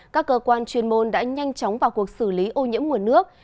các cơ quan chuyên môn đã nhanh chóng vào cuộc xử lý ô nhiễm nguồn nước